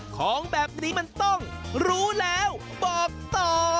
ของแบบนี้มันต้องรู้แล้วบอกต่อ